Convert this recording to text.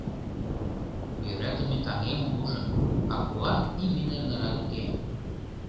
Йӧратыме таҥемым ужым, а куан име нер нарат уке.